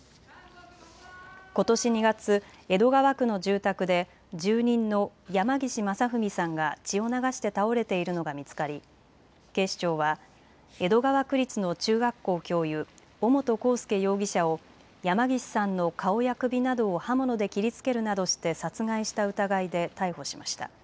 ことし２月、江戸川区の住宅で住人の山岸正文さんが血を流して倒れているのが見つかり、警視庁は江戸川区立の中学校教諭、尾本幸祐容疑者を山岸さんの顔や首などを刃物で切りつけるなどして殺害した疑いで逮捕しました。